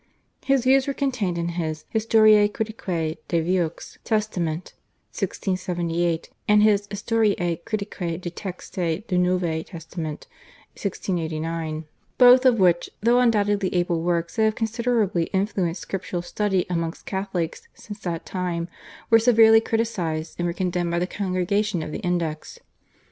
His views were contained in his /Histoire Critique de Vieux Testament/ (1678) and his /Histoire Critique de Texte du Nouveau Testament/ (1689), both of which, though undoubtedly able works that have considerably influenced scriptural study amongst Catholics since that time, were severely criticised, and were condemned by the Congregation of the Index.